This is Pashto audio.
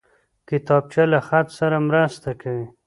کتابچه له خط سره مرسته کوي